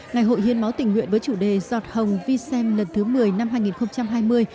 ngày hội hiến máu tình nguyện với chủ đề giọt hồng vi xem lần thứ một mươi năm hai nghìn hai mươi